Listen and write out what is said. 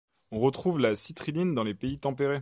On retrouve la citrinine dans les pays tempérés.